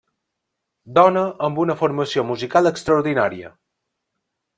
Dona amb una formació musical extraordinària.